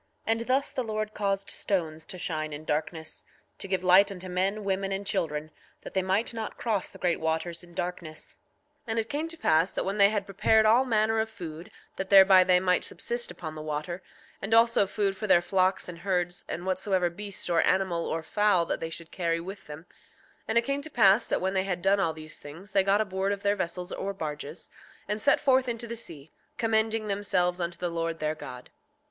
6:3 And thus the Lord caused stones to shine in darkness, to give light unto men, women, and children, that they might not cross the great waters in darkness. 6:4 And it came to pass that when they had prepared all manner of food, that thereby they might subsist upon the water, and also food for their flocks and herds, and whatsoever beast or animal or fowl that they should carry with them—and it came to pass that when they had done all these things they got aboard of their vessels or barges, and set forth into the sea, commending themselves unto the Lord their God.